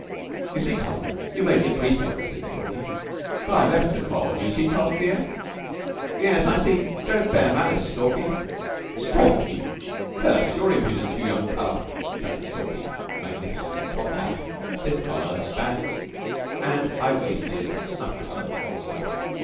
"You see, Tulke, you may be a prefect," said Stalky, "but I've left the Coll. Do you see, Tulke, dear?" "Yes, I see. Don't bear malice, Stalky." "Stalky? Curse your impudence, you young cub," shouted Stalky, magnificent in top hat, stiff collar, spats, and high waisted, snuff colored ulster.